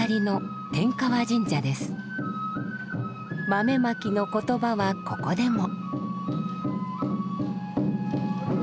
豆まきの言葉はここでも。